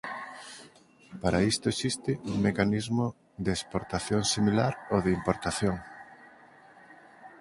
Para isto existe un mecanismo de exportación similar ao de importación.